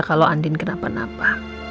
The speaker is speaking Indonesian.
kalau andin kenapa napa